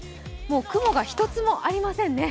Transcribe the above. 雲が一つもありませんね。